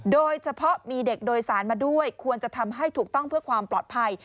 โดยเฉพาะมีเด็กโดยสารมาด้วยควรจะทำให้ถูกต้องเพื่อความปลอดภัย